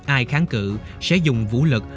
ai kháng cự sẽ dùng vũ lực